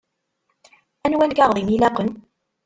Anwa lkaɣeḍ i m-ilaqen?